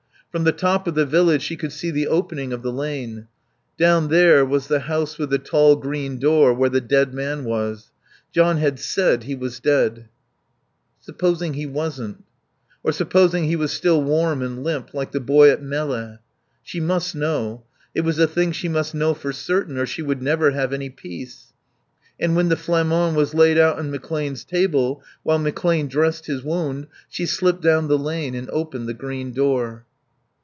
From the top of the village she could see the opening of the lane. Down there was the house with the tall green door where the dead man was. John had said he was dead. Supposing he wasn't? Or supposing he was still warm and limp like the boy at Melle? She must know; it was a thing she must know for certain, or she would never have any peace. And when the Flamand was laid out on McClane's table, while McClane dressed his wound, she slipped down the lane and opened the green door.